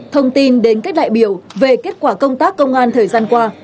thông tin đến các đại biểu về kết quả công tác công an thời gian qua